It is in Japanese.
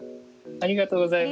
ありがとうございます。